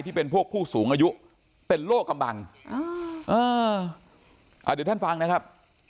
ที่เป็นพวกผู้สูงอายุเป็นโรคกำบังเดี๋ยวท่านฟังนะครับ